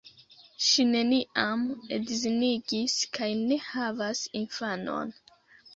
Ŝi neniam edzinigis kaj ne havas infanon.